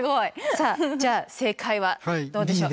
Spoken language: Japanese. さあじゃあ正解はどうでしょう。